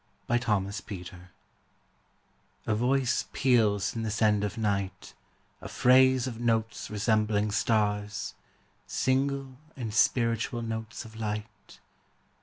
A THRUSH BEFORE DAWN A voice peals in this end of night A phrase of notes resembling stars, Single and spiritual notes of light.